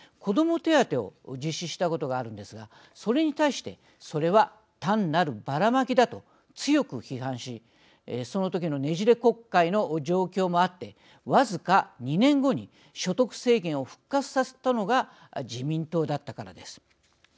手当を実施したことがあるんですがそれに対して、それは単なるばらまきだと強く批判しその時のねじれ国会の状況もあって僅か２年後に所得制限を復活させたのが自民党だったからです。